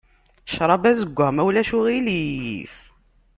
Ccṛab azeggaɣ ma ulac aɣilif.